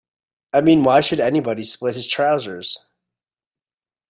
I mean, why should anybody split his trousers?